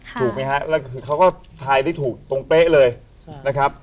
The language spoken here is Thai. ถูกไหมฮะแล้วคือเขาก็ทายได้ถูกตรงเป๊ะเลยนะครับ